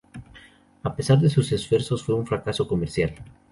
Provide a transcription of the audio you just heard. A pesar de sus esfuerzos, fue un fracaso comercial.